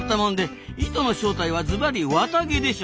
糸の正体はズバリ綿毛でしょ。